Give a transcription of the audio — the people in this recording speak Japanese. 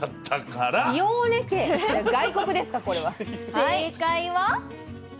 正解は。